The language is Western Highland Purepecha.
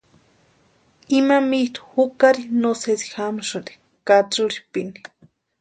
Ima mitʼu jukari no sési jamsïnti katsïrhpini.